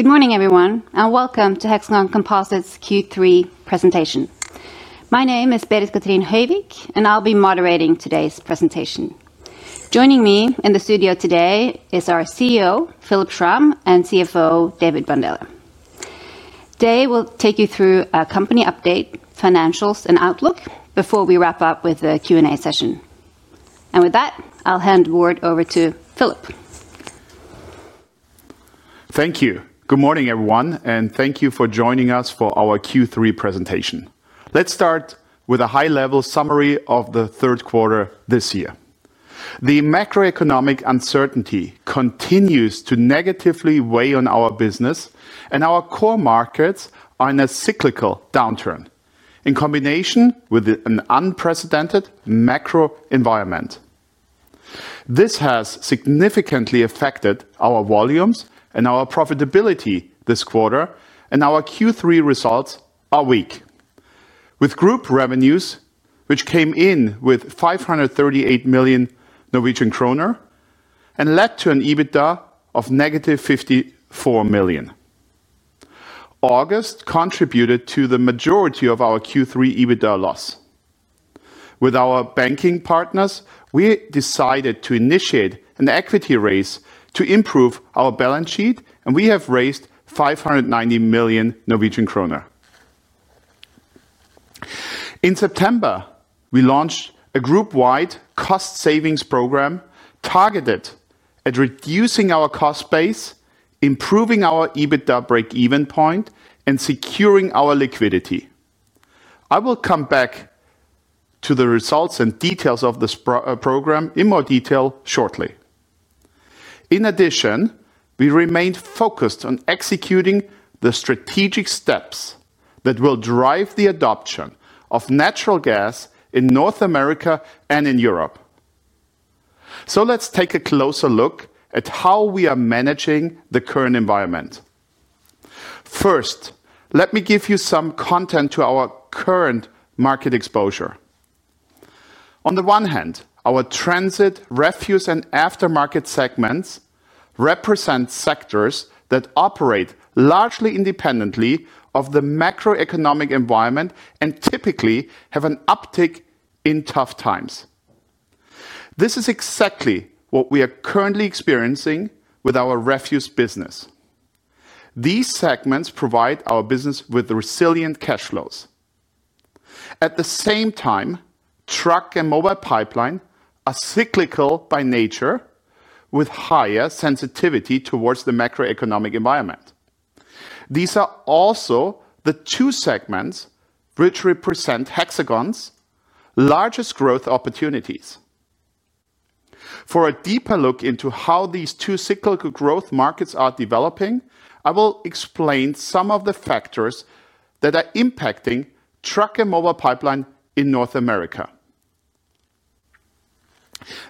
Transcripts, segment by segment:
Good morning, everyone, and welcome to Hexagon Composites Q3 presentation. My name is Berit-Cathrin Høyvik, and I'll be moderating today's presentation. Joining me in the studio today is our CEO, Philipp Schramm, and CFO, David Bandele. Today we'll take you through a company update, financials, and outlook before we wrap up with the Q&A session. With that, I'll hand the word over to Philipp. Thank you. Good morning, everyone, and thank you for joining us for our Q3 presentation. Let's start with a high-level summary of the third quarter this year. The macroeconomic uncertainty continues to negatively weigh on our business, and our core markets are in a cyclical downturn in combination with an unprecedented macro environment. This has significantly affected our volumes and our profitability this quarter, and our Q3 results are weak, with group revenues, which came in with 538 million Norwegian kroner and led to an EBITDA of -54 million. August contributed to the majority of our Q3 EBITDA loss. With our banking partners, we decided to initiate an equity raise to improve our balance sheet, and we have raised 590 million Norwegian kroner. In September, we launched a group-wide cost savings program targeted at reducing our cost base, improving our EBITDA break-even point, and securing our liquidity. I will come back to the results and details of this program in more detail shortly. In addition, we remained focused on executing the strategic steps that will drive the adoption of natural gas in North America and in Europe. Let's take a closer look at how we are managing the current environment. First, let me give you some context to our current market exposure. On the one hand, our transit, refuse, and aftermarket segments represent sectors that operate largely independently of the macroeconomic environment and typically have an uptick in tough times. This is exactly what we are currently experiencing with our refuse business. These segments provide our business with resilient cash flows. At the same time, truck and mobile pipeline are cyclical by nature, with higher sensitivity towards the macroeconomic environment. These are also the two segments which represent Hexagon's largest growth opportunities. For a deeper look into how these two cyclical growth markets are developing, I will explain some of the factors that are impacting truck and mobile pipeline in North America.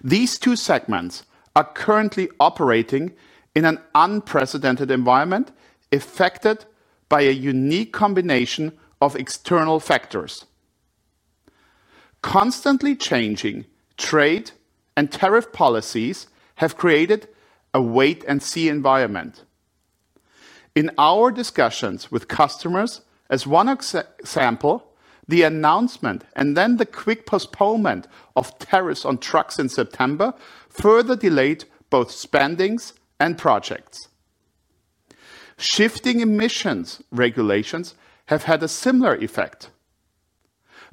These two segments are currently operating in an unprecedented environment affected by a unique combination of external factors. Constantly changing trade and tariff policies have created a wait-and-see environment. In our discussions with customers, as one example, the announcement and then the quick postponement of tariffs on trucks in September further delayed both spendings and projects. Shifting emissions regulations have had a similar effect.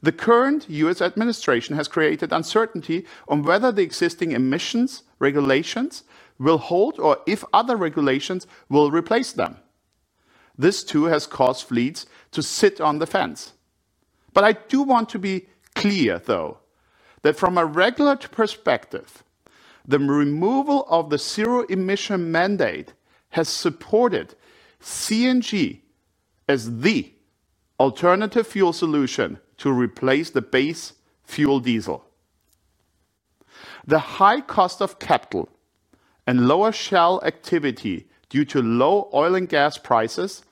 The current U.S. administration has created uncertainty on whether the existing emissions regulations will hold or if other regulations will replace them. This too has caused fleets to sit on the fence. I do want to be clear, though, that from a regulatory perspective, the removal of the zero-emission mandate has supported. CNG as the. Alternative fuel solution to replace the base fuel diesel. The high cost of capital and lower shale activity due to low oil and gas prices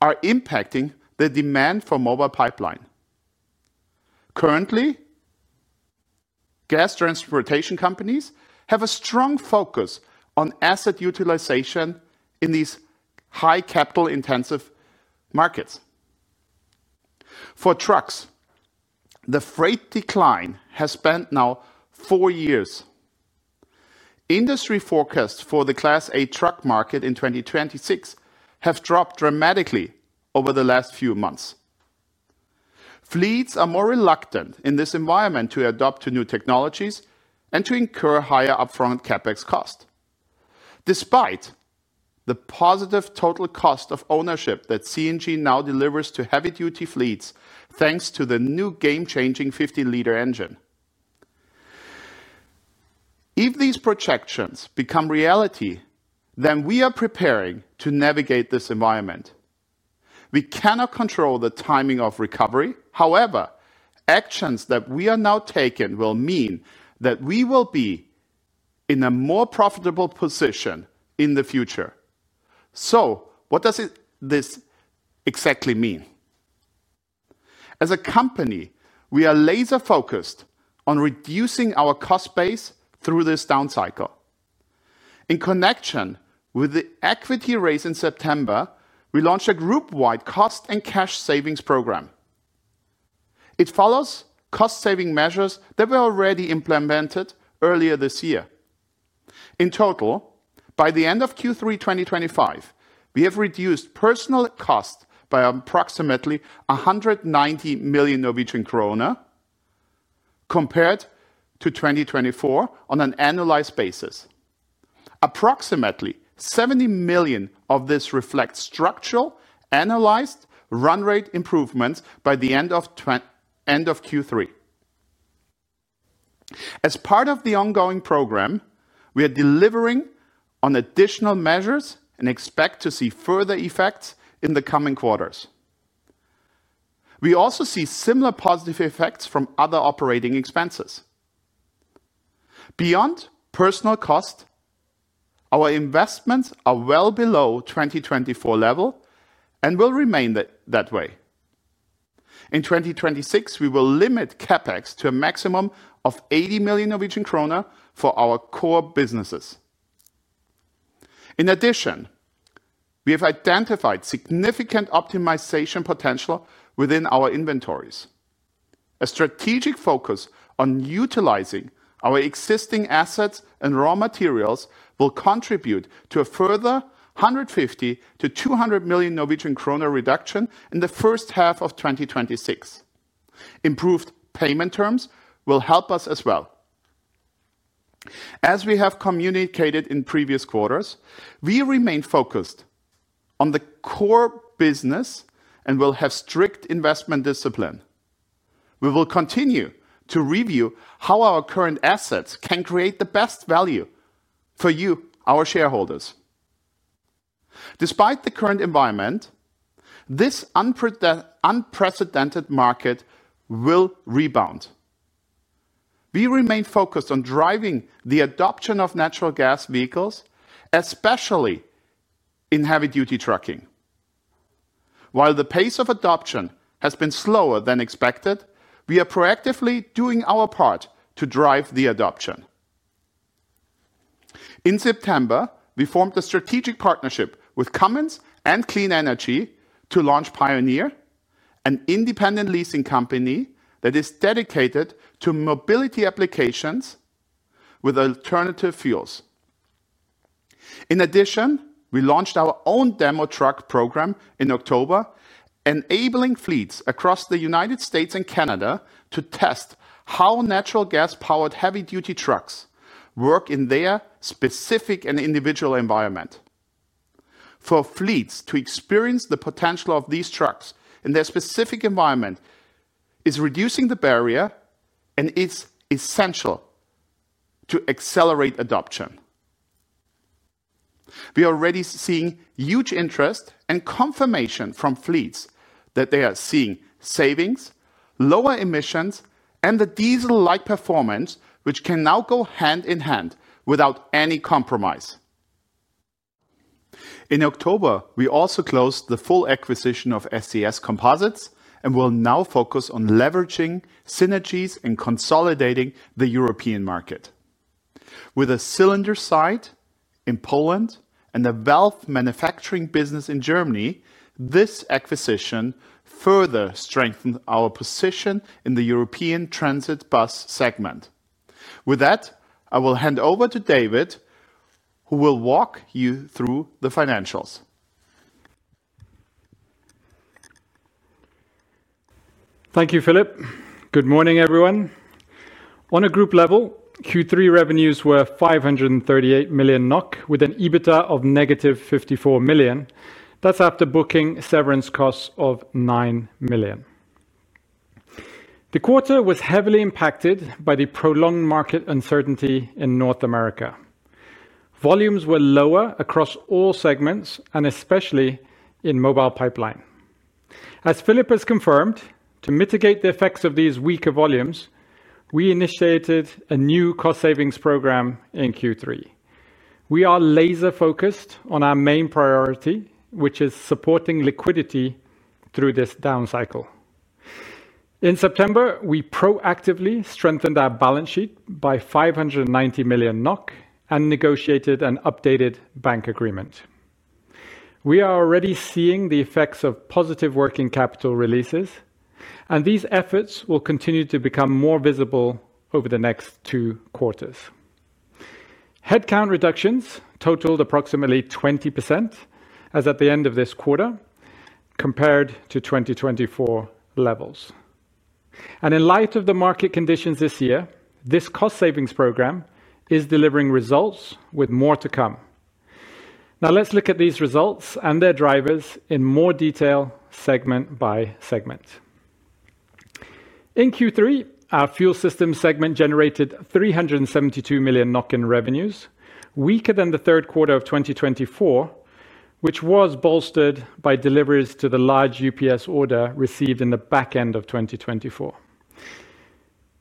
are impacting the demand for mobile pipeline. Currently, gas transportation companies have a strong focus on asset utilization in these high capital-intensive markets. For trucks, the freight decline has spanned now four years. Industry forecasts for the Class 8 truck market in 2026 have dropped dramatically over the last few months. Fleets are more reluctant in this environment to adopt new technologies and to incur higher upfront CapEx costs, despite the positive total cost of ownership that CNG now delivers to heavy-duty fleets, thanks to the new game-changing 15 L engine. If these projections become reality, then we are preparing to navigate this environment. We cannot control the timing of recovery. However, actions that we are now taking will mean that we will be. In a more profitable position in the future. What does this exactly mean? As a company, we are laser-focused on reducing our cost base through this down cycle. In connection with the equity raise in September, we launched a group-wide cost and cash savings program. It follows cost-saving measures that were already implemented earlier this year. In total, by the end of Q3 2025, we have reduced personnel costs by approximately 190 million Norwegian krone compared to 2024 on an annualized basis. Approximately 70 million of this reflects structural annualized run-rate improvements by the end of Q3. As part of the ongoing program, we are delivering on additional measures and expect to see further effects in the coming quarters. We also see similar positive effects from other operating expenses beyond personnel cost. Our investments are well below 2024 level and will remain that way. In 2026, we will limit CapEx to a maximum of 80 million Norwegian kroner for our core businesses. In addition, we have identified significant optimization potential within our inventories. A strategic focus on utilizing our existing assets and raw materials will contribute to a further 150 million-200 million Norwegian kroner reduction in the first half of 2026. Improved payment terms will help us as well. As we have communicated in previous quarters, we remain focused on the core business and will have strict investment discipline. We will continue to review how our current assets can create the best value for you, our shareholders. Despite the current environment, this unprecedented market will rebound. We remain focused on driving the adoption of natural gas vehicles, especially in heavy-duty trucking. While the pace of adoption has been slower than expected, we are proactively doing our part to drive the adoption. In September, we formed a strategic partnership with Cummins and Clean Energy to launch Pioneer, an independent leasing company that is dedicated to mobility applications with alternative fuels. In addition, we launched our own demo truck program in October, enabling fleets across the United States and Canada to test how natural gas-powered heavy-duty trucks work in their specific and individual environment. For fleets to experience the potential of these trucks in their specific environment is reducing the barrier, and it is essential to accelerate adoption. We are already seeing huge interest and confirmation from fleets that they are seeing savings, lower emissions, and the diesel-like performance, which can now go hand in hand without any compromise. In October, we also closed the full acquisition of SES Composites and will now focus on leveraging synergies and consolidating the European market. With a cylinder site in Poland and a valve manufacturing business in Germany, this acquisition further strengthens our position in the European transit bus segment. With that, I will hand over to David, who will walk you through the financials. Thank you, Philipp. Good morning, everyone. On a group level, Q3 revenues were 538 million NOK, with an EBITDA of -54 million. That is after booking severance costs of 9 million. The quarter was heavily impacted by the prolonged market uncertainty in North America. Volumes were lower across all segments, and especially in mobile pipeline. As Philipp has confirmed, to mitigate the effects of these weaker volumes, we initiated a new cost savings program in Q3. We are laser-focused on our main priority, which is supporting liquidity through this down cycle. In September, we proactively strengthened our balance sheet by 590 million NOK and negotiated an updated bank agreement. We are already seeing the effects of positive working capital releases, and these efforts will continue to become more visible over the next two quarters. Headcount reductions totaled approximately 20% as at the end of this quarter compared to 2024 levels. In light of the market conditions this year, this cost savings program is delivering results with more to come. Now let's look at these results and their drivers in more detail, segment by segment. In Q3, our fuel system segment generated 372 million in revenues, weaker than the third quarter of 2024, which was bolstered by deliveries to the large UPS order received in the back end of 2024.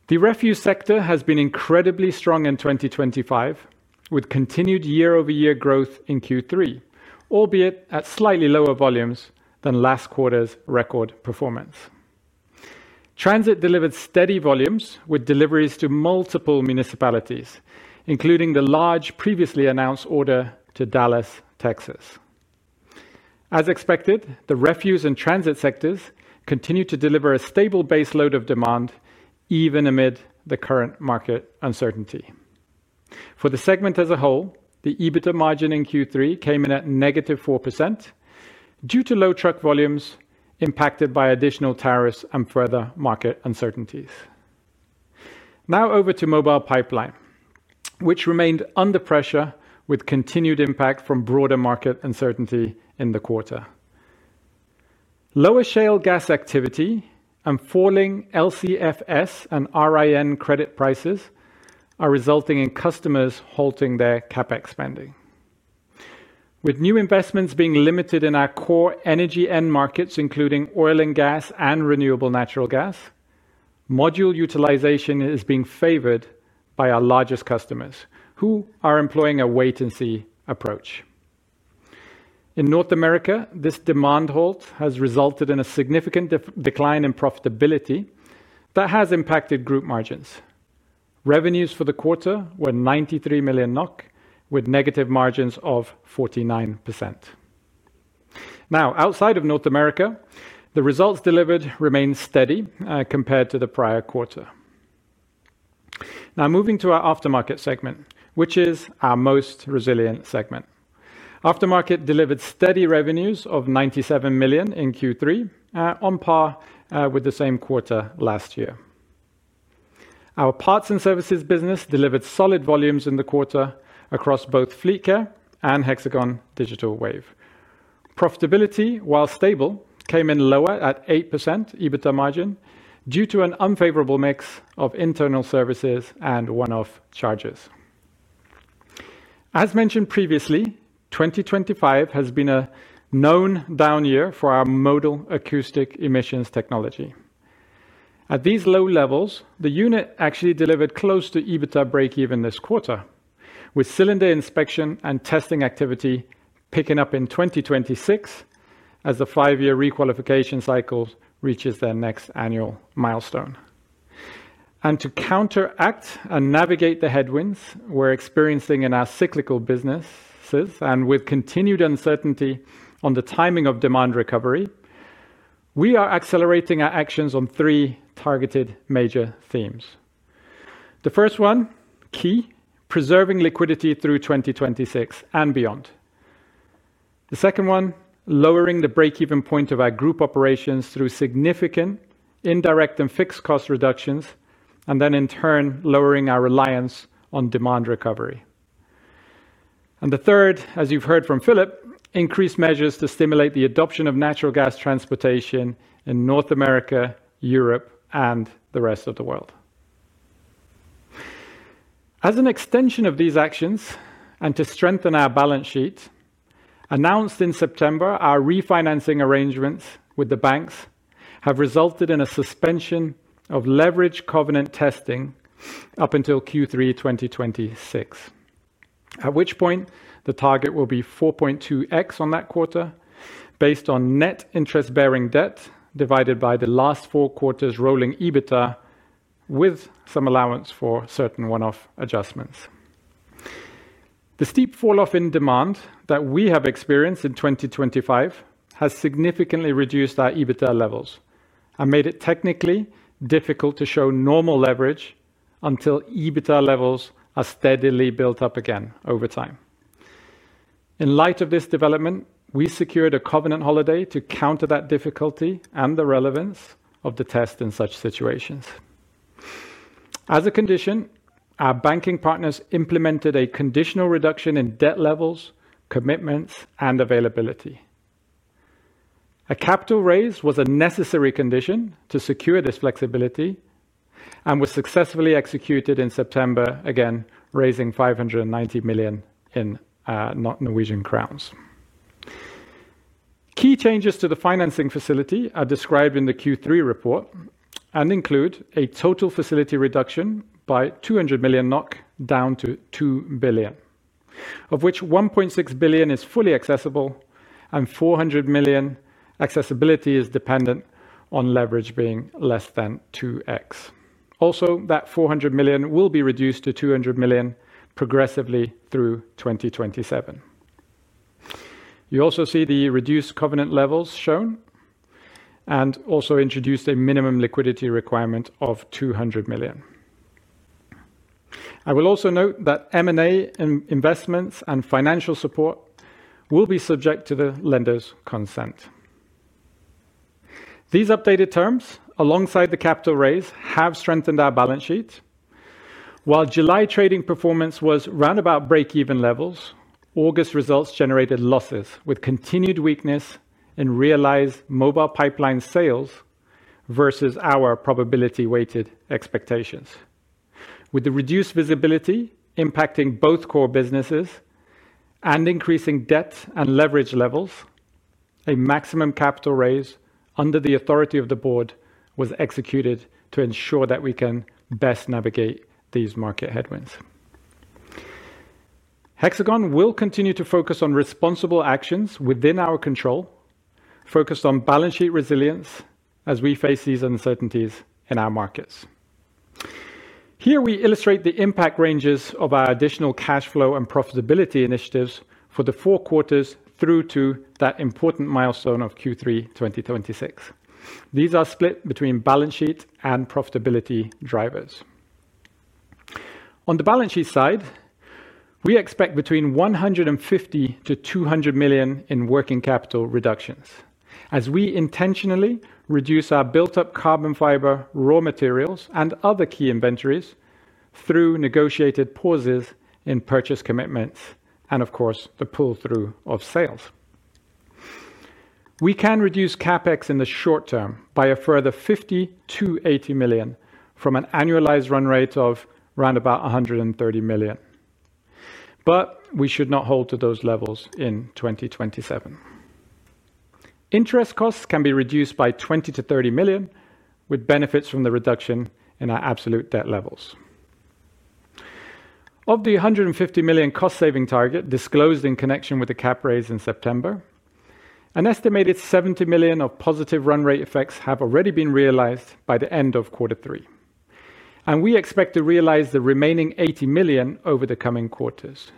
The refuse sector has been incredibly strong in 2025, with continued year-over-year growth in Q3, albeit at slightly lower volumes than last quarter's record performance. Transit delivered steady volumes with deliveries to multiple municipalities, including the large previously announced order to Dallas, Texas. As expected, the refuse and transit sectors continue to deliver a stable baseload of demand, even amid the current market uncertainty. For the segment as a whole, the EBITDA margin in Q3 came in at -4%. Due to low truck volumes impacted by additional tariffs and further market uncertainties. Now over to mobile pipeline, which remained under pressure with continued impact from broader market uncertainty in the quarter. Lower shale gas activity and falling LCFS and RIN credit prices are resulting in customers halting their CapEx spending. With new investments being limited in our core energy end markets, including oil and gas and renewable natural gas, module utilization is being favored by our largest customers, who are employing a wait-and-see approach. In North America, this demand halt has resulted in a significant decline in profitability that has impacted group margins. Revenues for the quarter were 93 million NOK, with negative margins of 49%. Now, outside of North America, the results delivered remain steady compared to the prior quarter. Now moving to our aftermarket segment, which is our most resilient segment. Aftermarket delivered steady revenues of 97 million in Q3, on par with the same quarter last year. Our parts and services business delivered solid volumes in the quarter across both FleetCare and Hexagon Digital Wave. Profitability, while stable, came in lower at 8% EBITDA margin due to an unfavorable mix of internal services and one-off charges. As mentioned previously, 2025 has been a known down year for our modal acoustic emissions technology. At these low levels, the unit actually delivered close to EBITDA break-even this quarter, with cylinder inspection and testing activity picking up in 2026 as the five-year requalification cycle reaches their next annual milestone. To counteract and navigate the headwinds we are experiencing in our cyclical businesses and with continued uncertainty on the timing of demand recovery. We are accelerating our actions on three targeted major themes. The first one, key, preserving liquidity through 2026 and beyond. The second one, lowering the break-even point of our group operations through significant indirect and fixed cost reductions, and in turn, lowering our reliance on demand recovery. The third, as you've heard from Philipp, increased measures to stimulate the adoption of natural gas transportation in North America, Europe, and the rest of the world. As an extension of these actions and to strengthen our balance sheet, announced in September, our refinancing arrangements with the banks have resulted in a suspension of leverage covenant testing up until Q3 2026. At that point the target will be 4.2x on that quarter, based on net interest-bearing debt divided by the last four quarters' rolling EBITDA, with some allowance for certain one-off adjustments. The steep falloff in demand that we have experienced in 2025 has significantly reduced our EBITDA levels and made it technically difficult to show normal leverage until EBITDA levels are steadily built up again over time. In light of this development, we secured a covenant holiday to counter that difficulty and the relevance of the test in such situations. As a condition, our banking partners implemented a conditional reduction in debt levels, commitments, and availability. A capital raise was a necessary condition to secure this flexibility and was successfully executed in September, again raising 590 million. Key changes to the financing facility are described in the Q3 report and include a total facility reduction by 200 million NOK down to 2 billion, of which 1.6 billion is fully accessible and 400 million accessibility is dependent on leverage being less than 2x. Also, that 400 million will be reduced to 200 million progressively through 2027. You also see the reduced covenant levels shown. Also introduced is a minimum liquidity requirement of 200 million. I will also note that M&A investments and financial support will be subject to the lender's consent. These updated terms, alongside the capital raise, have strengthened our balance sheet. While July trading performance was roundabout break-even levels, August results generated losses with continued weakness in realized mobile pipeline sales versus our probability-weighted expectations. With the reduced visibility impacting both core businesses and increasing debt and leverage levels, a maximum capital raise under the authority of the board was executed to ensure that we can best navigate these market headwinds. Hexagon will continue to focus on responsible actions within our control, focused on balance sheet resilience as we face these uncertainties in our markets. Here we illustrate the impact ranges of our additional cash flow and profitability initiatives for the four quarters through to that important milestone of Q3 2026. These are split between balance sheet and profitability drivers. On the balance sheet side, we expect between 150 million-200 million in working capital reductions as we intentionally reduce our built-up carbon fiber, raw materials, and other key inventories through negotiated pauses in purchase commitments and, of course, the pull-through of sales. We can reduce CapEx in the short term by a further 50 million-80 million from an annualized run rate of around 130 million. We should not hold to those levels in 2027. Interest costs can be reduced by 20 million-30 million, with benefits from the reduction in our absolute debt levels. Of the 150 million cost saving target disclosed in connection with the cap raise in September. An estimated 70 million of positive run rate effects have already been realized by the end of quarter three. We expect to realize the remaining 80 million over the coming quarters.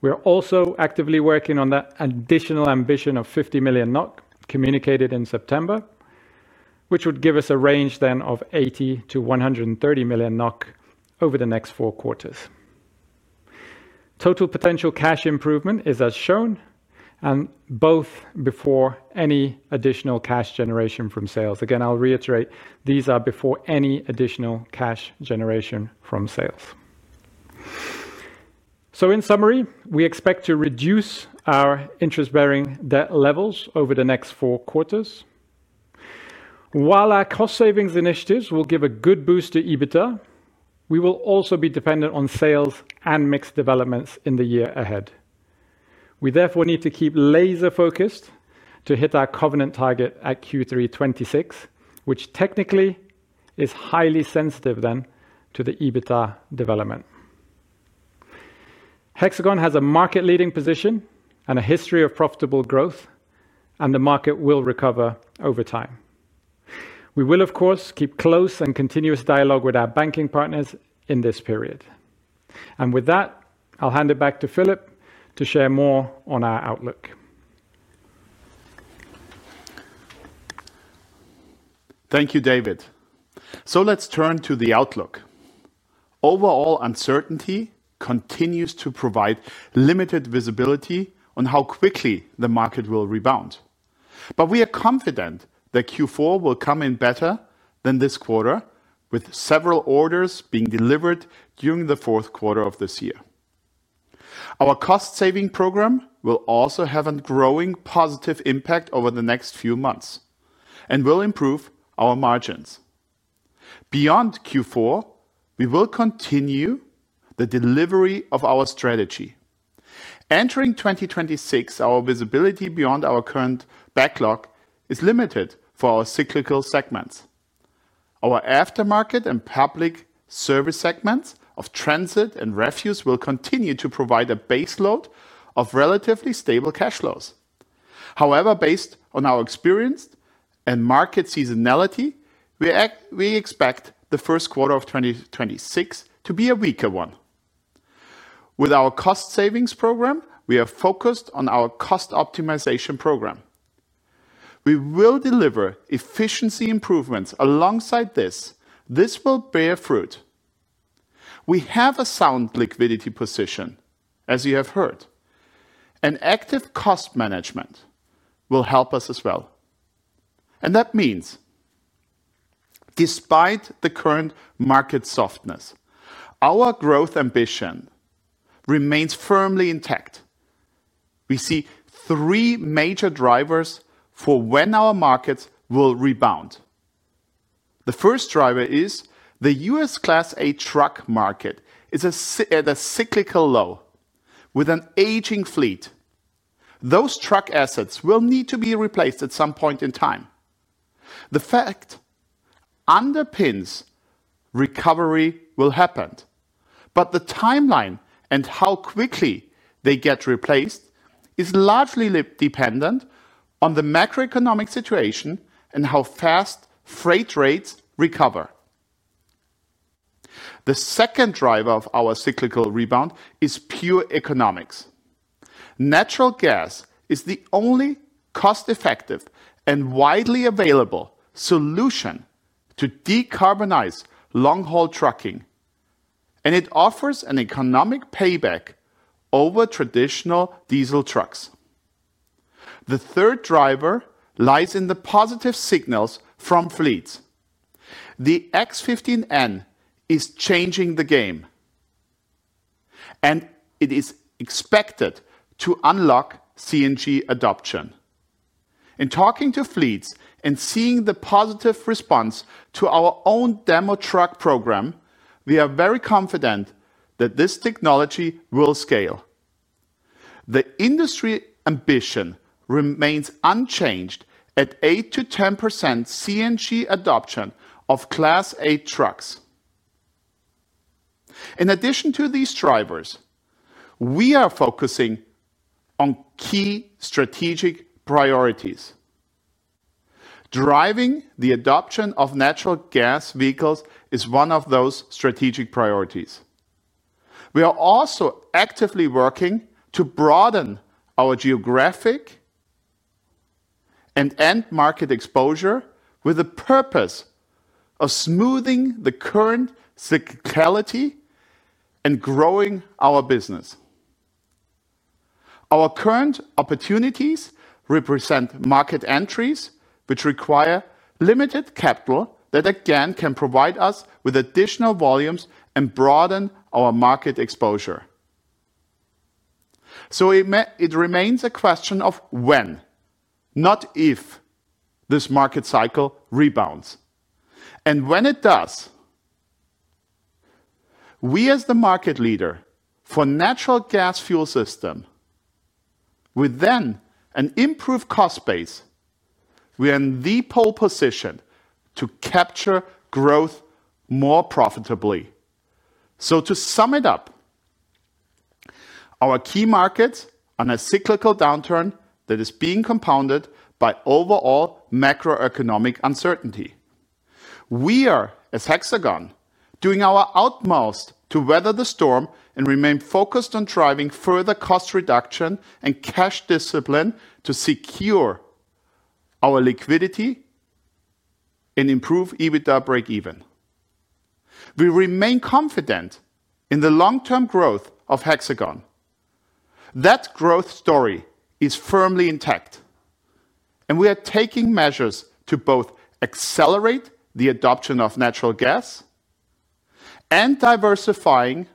We are also actively working on that additional ambition of 50 million NOK communicated in September, which would give us a range then of 80-130 million NOK over the next four quarters. Total potential cash improvement is as shown, and both before any additional cash generation from sales. Again, I'll reiterate, these are before any additional cash generation from sales. In summary, we expect to reduce our interest-bearing debt levels over the next four quarters. While our cost savings initiatives will give a good boost to EBITDA, we will also be dependent on sales and mixed developments in the year ahead. We therefore need to keep laser-focused to hit our covenant target at Q3 2026, which technically is highly sensitive then to the EBITDA development. Hexagon has a market-leading position and a history of profitable growth, and the market will recover over time. We will, of course, keep close and continuous dialogue with our banking partners in this period. With that, I'll hand it back to Philipp to share more on our outlook. Thank you, David. Let's turn to the outlook. Overall uncertainty continues to provide limited visibility on how quickly the market will rebound. We are confident that Q4 will come in better than this quarter, with several orders being delivered during the fourth quarter of this year. Our cost saving program will also have a growing positive impact over the next few months and will improve our margins. Beyond Q4, we will continue the delivery of our strategy. Entering 2026, our visibility beyond our current backlog is limited for our cyclical segments. Our aftermarket and public service segments of transit and refuse will continue to provide a baseload of relatively stable cash flows. However, based on our experience and market seasonality, we expect the first quarter of 2026 to be a weaker one. With our cost savings program, we are focused on our cost optimization program. We will deliver efficiency improvements. Alongside this, this will bear fruit. We have a sound liquidity position, as you have heard. Active cost management will help us as well. That means, despite the current market softness, our growth ambition remains firmly intact. We see three major drivers for when our markets will rebound. The first driver is the U.S. Class 8 truck market is at a cyclical low with an aging fleet. Those truck assets will need to be replaced at some point in time. The fact underpins recovery will happen, but the timeline and how quickly they get replaced is largely dependent on the macroeconomic situation and how fast freight rates recover. The second driver of our cyclical rebound is pure economics. Natural gas is the only cost-effective and widely available solution to decarbonize long-haul trucking. It offers an economic payback over traditional diesel trucks. The third driver lies in the positive signals from fleets. The X15N is changing the game. It is expected to unlock CNG adoption. In talking to fleets and seeing the positive response to our own demo truck program, we are very confident that this technology will scale. The industry ambition remains unchanged at 8%-10% CNG adoption of Class 8 trucks. In addition to these drivers, we are focusing on key strategic priorities. Driving the adoption of natural gas vehicles is one of those strategic priorities. We are also actively working to broaden our geographic and end market exposure with the purpose of smoothing the current cyclicality and growing our business. Our current opportunities represent market entries, which require limited capital that, again, can provide us with additional volumes and broaden our market exposure. It remains a question of when, not if, this market cycle rebounds. When it does, we, as the market leader for natural gas fuel system, with then an improved cost base, are in the pole position to capture growth more profitably. To sum it up. Our key markets are in a cyclical downturn that is being compounded by overall macroeconomic uncertainty. We are, as Hexagon, doing our utmost to weather the storm and remain focused on driving further cost reduction and cash discipline to secure our liquidity and improve EBITDA break-even. We remain confident in the long-term growth of Hexagon. That growth story is firmly intact. We are taking measures to both accelerate the adoption of natural gas and diversifying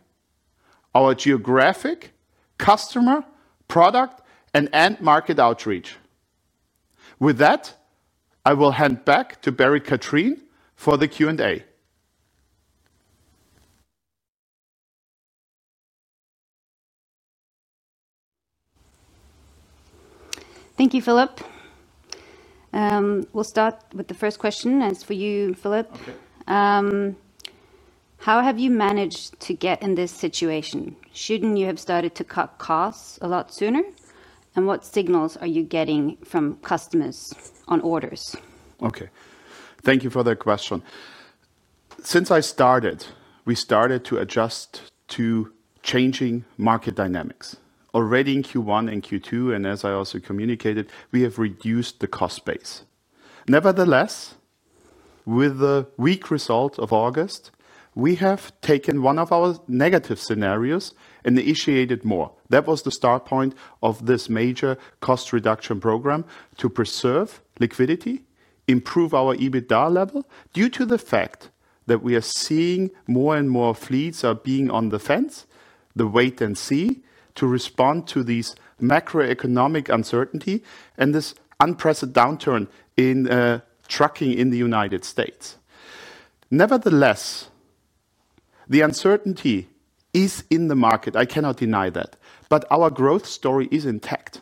our geographic, customer, product, and end market outreach. With that, I will hand back to Berit-Cathrin for the Q&A. Thank you, Philipp. We'll start with the first question. It is for you, Philipp. How have you managed to get in this situation? Shouldn't you have started to cut costs a lot sooner? What signals are you getting from customers on orders? Okay. Thank you for that question. Since I started, we started to adjust to changing market dynamics. Already in Q1 and Q2, and as I also communicated, we have reduced the cost base. Nevertheless, with the weak result of August, we have taken one of our negative scenarios and initiated more. That was the start point of this major cost reduction program to preserve liquidity, improve our EBITDA level due to the fact that we are seeing more and more fleets being on the fence, the wait and see, to respond to this macroeconomic uncertainty and this unprecedented downturn in trucking in the United States. Nevertheless, the uncertainty is in the market. I cannot deny that. Our growth story is intact.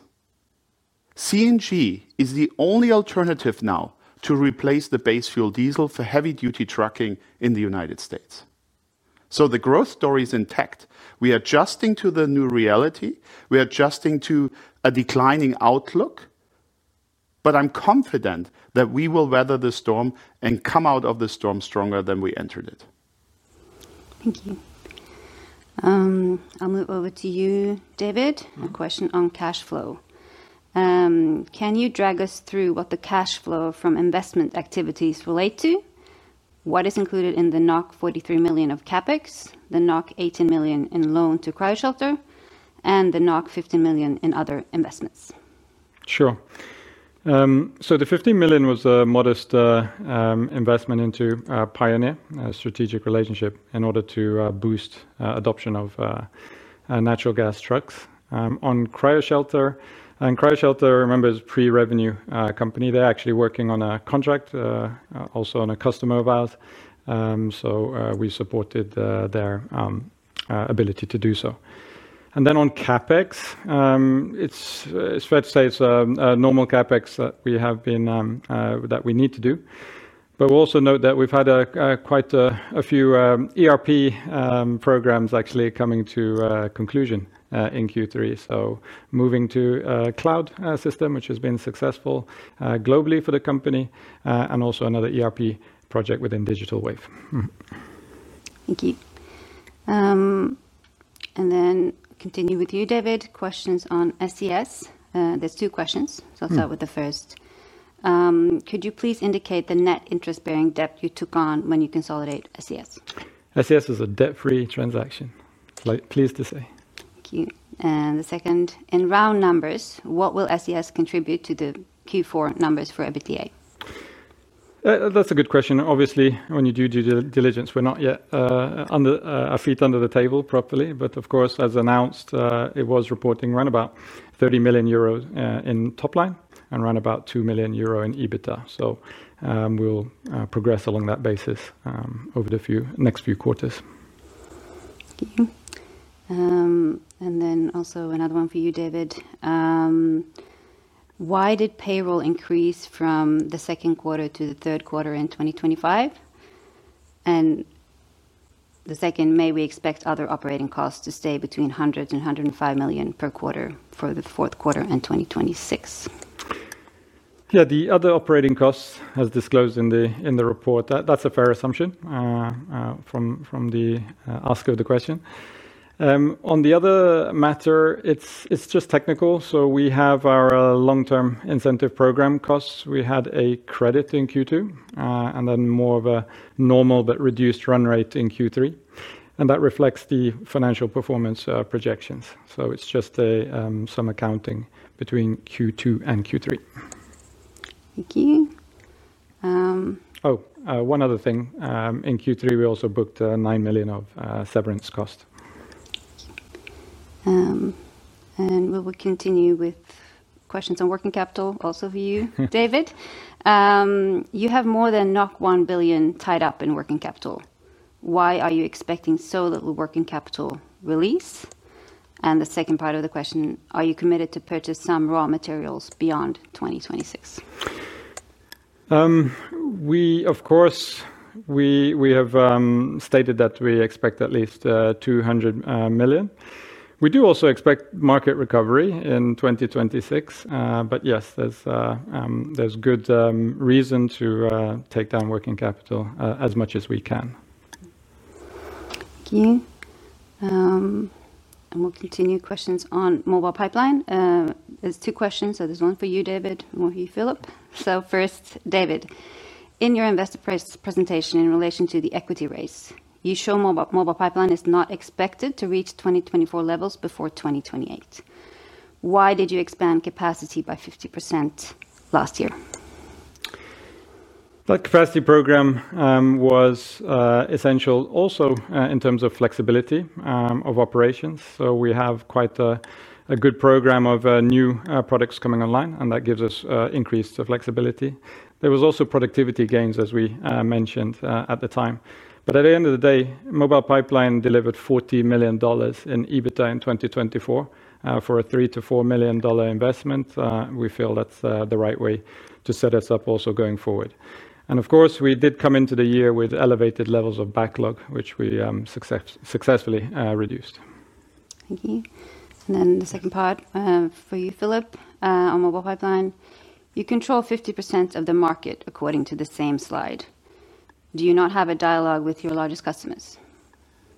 CNG is the only alternative now to replace the base fuel diesel for heavy-duty trucking in the United States. The growth story is intact. We are adjusting to the new reality. We are adjusting to a declining outlook. I am confident that we will weather the storm and come out of the storm stronger than we entered it. Thank you. I'll move over to you, David. A question on cash flow. Can you drag us through what the cash flow from investment activities relates to? What is included in the 43 million of CapEx, the 18 million in loan to Cryoshelter, and the 15 million in other investments? Sure. The 15 million was a modest investment into Pioneer, a strategic relationship in order to boost adoption of natural gas trucks. On Cryoshelter, and Cryoshelter, remember, is a pre-revenue company. They are actually working on a contract, also on a customer of ours. We supported their ability to do so. On CapEx, it is fair to say it is a normal CapEx that we have been, that we need to do. We will also note that we have had quite a few ERP programs actually coming to conclusion in Q3. Moving to a cloud system, which has been successful globally for the company, and also another ERP project within Digital Wave. Thank you. Continue with you, David. Questions on SES. There are two questions, so I'll start with the first. Could you please indicate the net interest-bearing debt you took on when you consolidated SES? SES was a debt-free transaction. It's, like, pleased to say. Thank you. The second, in round numbers, what will SES contribute to the Q4 numbers for EBITDA? That's a good question. Obviously, when you do due diligence, we're not yet our feet under the table properly. Of course, as announced, it was reporting around about 30 million euros in top line and around about 2 million euro in EBITDA. We'll progress along that basis over the next few quarters. Thank you. And then also another one for you, David. Why did payroll increase from the second quarter to the third quarter in 2025? The second, may we expect other operating costs to stay between 100 million-105 million per quarter for the fourth quarter in 2026? Yeah, the other operating costs, as disclosed in the report, that's a fair assumption from the ask of the question. On the other matter, it's just technical. We have our long-term incentive program costs. We had a credit in Q2 and then more of a normal but reduced run rate in Q3. That reflects the financial performance projections. It's just some accounting between Q2 and Q3. Thank you. Oh, one other thing. In Q3, we also booked 9 million of severance cost. We will continue with questions on working capital, also for you, David. You have more than 1 billion tied up in working capital. Why are you expecting so little working capital release? The second part of the question, are you committed to purchase some raw materials beyond 2026? We, of course. We have stated that we expect at least 200 million. We do also expect market recovery in 2026. Yes, there is good reason to take down working capital as much as we can. Thank you. We'll continue questions on Mobile Pipeline. There are two questions. There's one for you, David, and one for you, Philipp. First, David. In your investor presentation in relation to the equity raise, you show Mobile Pipeline is not expected to reach 2024 levels before 2028. Why did you expand capacity by 50% last year? The capacity program was essential also in terms of flexibility of operations. We have quite a good program of new products coming online, and that gives us increased flexibility. There were also productivity gains, as we mentioned at the time. At the end of the day, Mobile Pipeline delivered $40 million in EBITDA in 2024 for a $3 million-$4 million investment. We feel that's the right way to set us up also going forward. Of course, we did come into the year with elevated levels of backlog, which we successfully reduced. Thank you. Then the second part for you, Philipp, on Mobile Pipeline. You control 50% of the market according to the same slide. Do you not have a dialogue with your largest customers?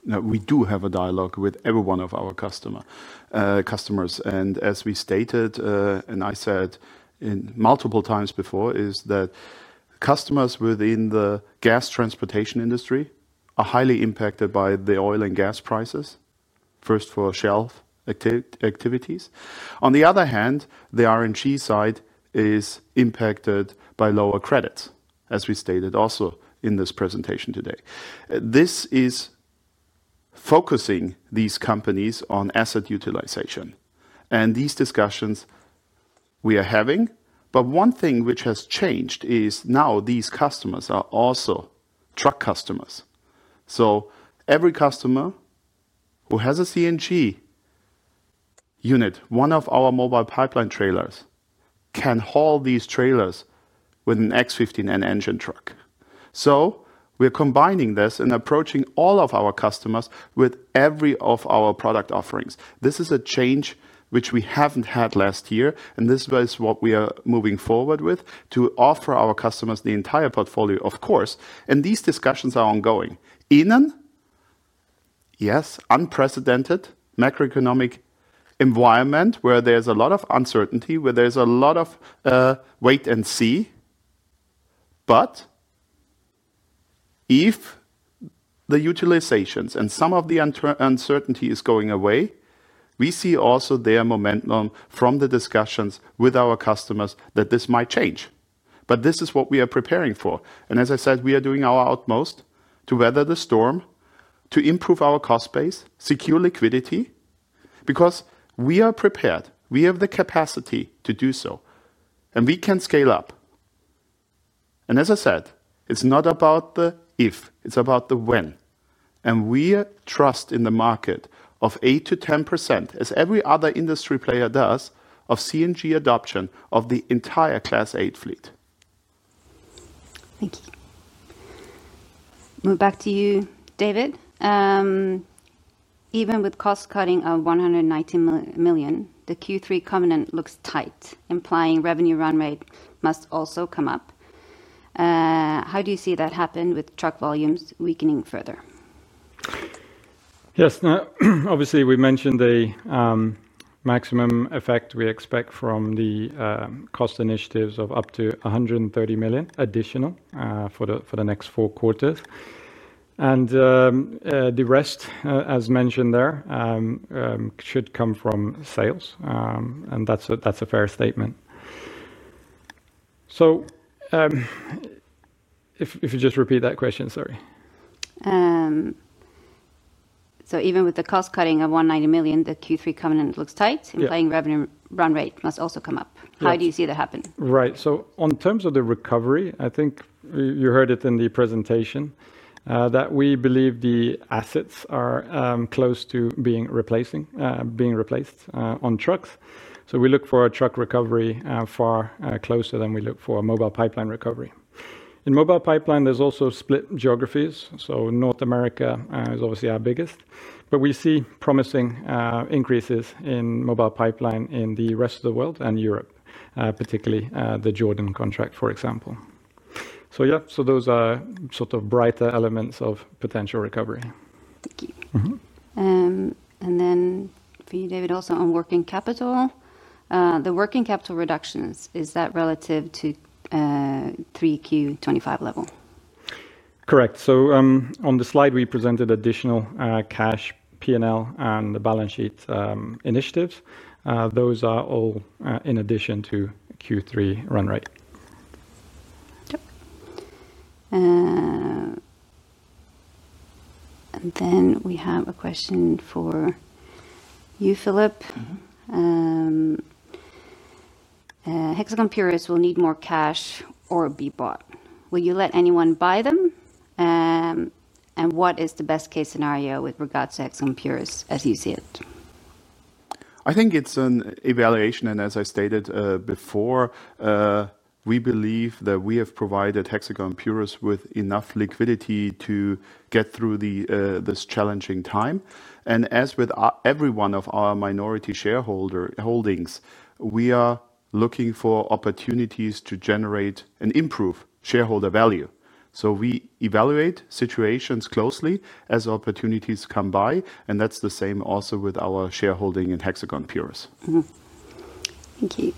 No, we do have a dialogue with every one of our customers. As we stated, and I said multiple times before, customers within the gas transportation industry are highly impacted by the oil and gas prices, first for shelf activities. On the other hand, the RNG side is impacted by lower credits, as we stated also in this presentation today. This is focusing these companies on asset utilization. These discussions we are having. One thing which has changed is now these customers are also truck customers. Every customer who has a CNG unit, one of our Mobile Pipeline trailers, can haul these trailers with an X15N engine truck. We are combining this and approaching all of our customers with every one of our product offerings. This is a change which we have not had last year. This is what we are moving forward with, to offer our customers the entire portfolio, of course. These discussions are ongoing. In an unprecedented macroeconomic environment where there is a lot of uncertainty, where there is a lot of wait and see. If the utilizations and some of the uncertainty are going away, we see also momentum from the discussions with our customers that this might change. This is what we are preparing for. As I said, we are doing our utmost to weather the storm, to improve our cost base, secure liquidity, because we are prepared. We have the capacity to do so. We can scale up. As I said, it is not about the if. It is about the when. We trust in the market of 85-10%, as every other industry player does, of CNG adoption of the entire Class 8 fleet. Thank you. Move back to you, David. Even with cost cutting of 119 million, the Q3 covenant looks tight, implying revenue run rate must also come up. How do you see that happen with truck volumes weakening further? Yes. Obviously, we mentioned the maximum effect we expect from the cost initiatives of up to 130 million additional for the next four quarters. The rest, as mentioned there, should come from sales. That's a fair statement. If you just repeat that question, sorry. Even with the cost cutting of 190 million, the Q3 covenant looks tight, implying revenue run rate must also come up. How do you see that happen? Right. In terms of the recovery, I think you heard it in the presentation, that we believe the assets are close to being replaced on trucks. We look for a truck recovery far closer than we look for a Mobile Pipeline recovery. In Mobile Pipeline, there is also split geographies. North America is obviously our biggest. We see promising increases in Mobile Pipeline in the rest of the world and Europe, particularly the Jordan contract, for example. Those are sort of brighter elements of potential recovery. Thank you. And then for you, David, also on working capital. The working capital reductions, is that relative to 3Q 2025 level? Correct. On the slide, we presented additional cash, P&L, and the balance sheet initiatives. Those are all in addition to Q3 run rate. Yep. And then we have a question for you, Philipp. Hexagon Purus will need more cash or be bought. Will you let anyone buy them? And what is the best-case scenario with regards to Hexagon Purus, as you see it? I think it's an evaluation. As I stated before, we believe that we have provided Hexagon Purus with enough liquidity to get through this challenging time. As with every one of our minority shareholdings, we are looking for opportunities to generate and improve shareholder value. We evaluate situations closely as opportunities come by. That is the same also with our shareholding in Hexagon Purus. Thank you.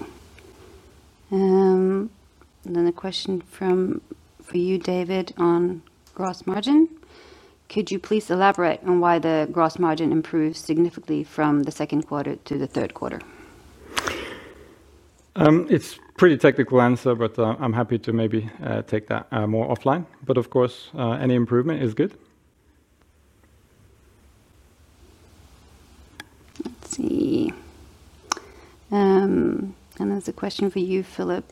A question for you, David, on gross margin. Could you please elaborate on why the gross margin improves significantly from the second quarter to the third quarter? It's a pretty technical answer, but I'm happy to maybe take that more offline. Of course, any improvement is good. Let's see. There is a question for you, Philipp.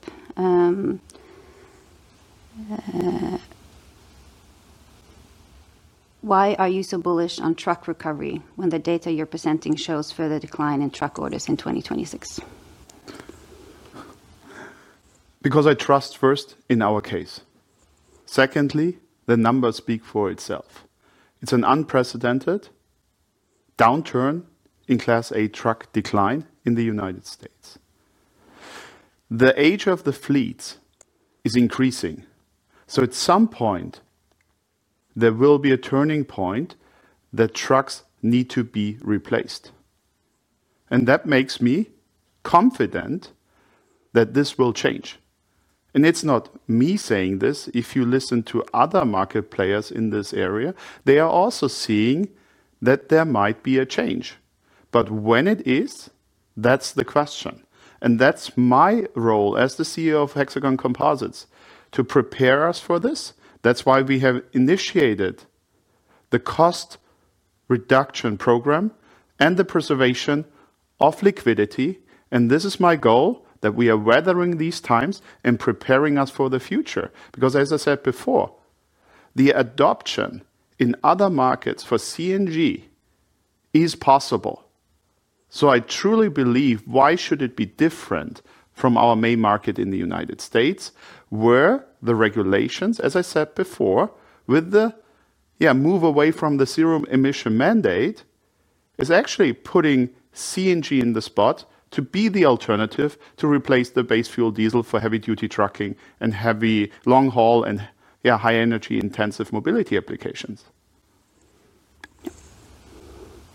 Why are you so bullish on truck recovery when the data you are presenting shows further decline in truck orders in 2026? Because I trust first in our case. Secondly, the numbers speak for itself. It's an unprecedented downturn in Class 8 truck decline in the United States. The age of the fleets is increasing. At some point, there will be a turning point that trucks need to be replaced. That makes me confident that this will change. It's not me saying this. If you listen to other market players in this area, they are also seeing that there might be a change. When it is, that's the question. That's my role as the CEO of Hexagon Composites to prepare us for this. That's why we have initiated the cost reduction program and the preservation of liquidity. This is my goal, that we are weathering these times and preparing us for the future. Because, as I said before, the adoption in other markets for CNG. Is possible. I truly believe, why should it be different from our main market in the United States, where the regulations, as I said before, with the, yeah, move away from the zero emission mandate, is actually putting CNG in the spot to be the alternative to replace the base fuel diesel for heavy-duty trucking and heavy long-haul and high-energy intensive mobility applications.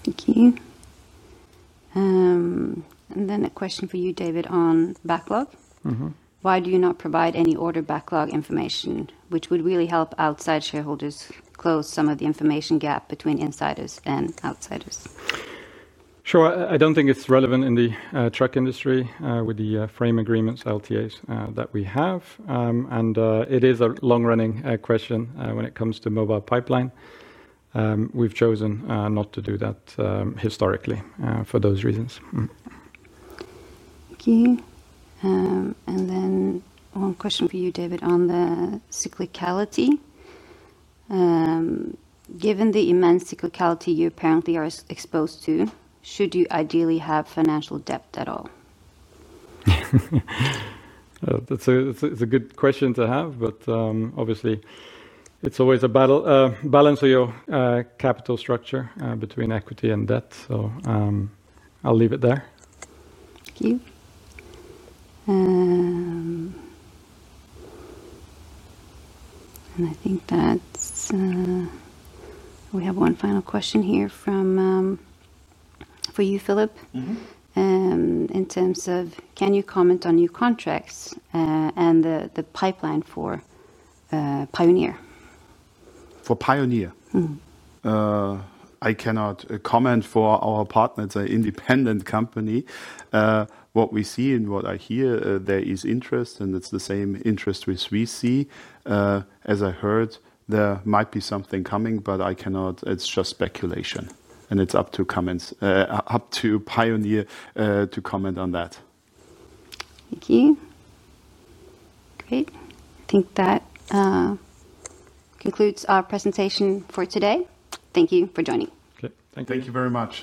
Thank you. A question for you, David, on backlog. Why do you not provide any order backlog information, which would really help outside shareholders close some of the information gap between insiders and outsiders? Sure. I do not think it is relevant in the truck industry with the frame agreements, LTAs that we have. It is a long-running question when it comes to Mobile Pipeline. We have chosen not to do that historically for those reasons. Thank you. One question for you, David, on the cyclicality. Given the immense cyclicality you apparently are exposed to, should you ideally have financial debt at all? It's a good question to have, but obviously, it's always a balance of your capital structure between equity and debt. I'll leave it there. Thank you. I think that's. We have one final question here for you, Philipp. In terms of, can you comment on new contracts and the pipeline for Pioneer? For Pioneer? Mm-hmm. I cannot comment for our partner, it's an independent company. What we see and what I hear, there is interest, and it's the same interest which we see. As I heard, there might be something coming, but I cannot. It's just speculation. And it's up to Pioneer to comment on that. Thank you. Great. I think that concludes our presentation for today. Thank you for joining. Okay. Thank you very much.